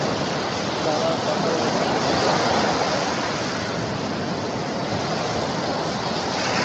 তারা পাহারায় নিযুক্ত।